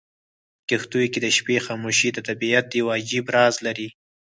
په کښتونو کې د شپې خاموشي د طبیعت یو عجیب راز لري.